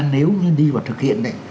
nếu như đi và thực hiện đấy